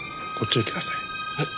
えっ。